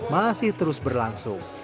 masih terus berlangsung